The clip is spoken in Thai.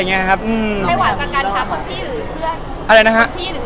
ให้หวานกันกันอีกถ้าครอบครั้ง